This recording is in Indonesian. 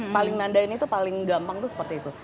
paling nandain itu paling gampang itu seperti itu